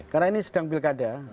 karena ini sedang pilkada